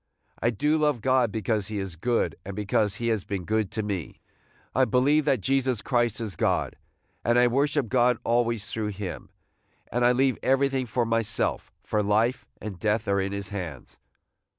I do love God because he is good, and because he has been good to me. I believe that Jesus Christ is God, and I worship God always through him, and I leave everything for myself, for life and death are in his hands.